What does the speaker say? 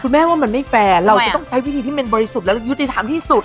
แม่ว่ามันไม่แฟร์เราจะต้องใช้วิธีที่มันบริสุทธิ์และยุติธรรมที่สุด